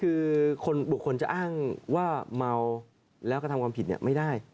คือบุคคลจะอ้างว่าเมาแล้วก็ทำความผิดไม่ได้